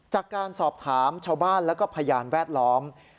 จากการสอบถามชาวบ้านแล้วก็พยานแวดล้อม